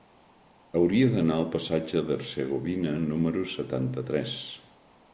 Hauria d'anar al passatge d'Hercegovina número setanta-tres.